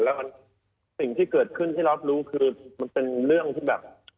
แล้วสิ่งที่เกิดขึ้นที่รับรู้คือมันเป็นเรื่องที่แบบ